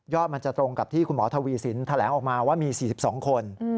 มันจะตรงกับที่คุณหมอทวีสินแถลงออกมาว่ามี๔๒คน